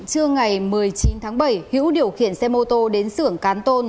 trưa ngày một mươi chín tháng bảy hữu điều khiển xe mô tô đến xưởng cán tôn